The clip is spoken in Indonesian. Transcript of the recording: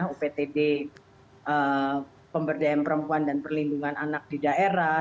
uptd pemberdayaan perempuan dan perlindungan anak di daerah